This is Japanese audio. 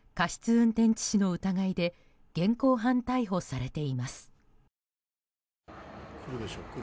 運転致死の疑いで現行犯逮捕されています。